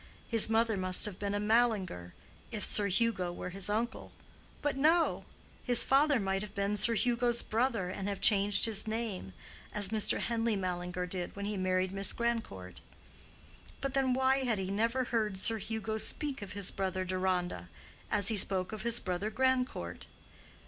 His mother must have been a Mallinger, if Sir Hugo were his uncle. But no! His father might have been Sir Hugo's brother and have changed his name, as Mr. Henleigh Mallinger did when he married Miss Grandcourt. But then, why had he never heard Sir Hugo speak of his brother Deronda, as he spoke of his brother Grandcourt?